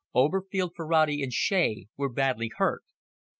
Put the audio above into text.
Oberfield, Ferrati and Shea were badly hurt.